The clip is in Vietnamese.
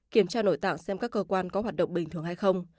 kiểm tra nội tạo xem các cơ quan có hoạt động bình thường hay không